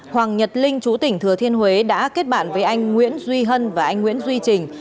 hoàng nhật linh chú tỉnh thừa thiên huế đã kết bạn với anh nguyễn duy hân và anh nguyễn duy trình